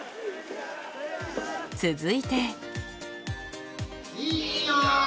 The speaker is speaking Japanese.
続いて。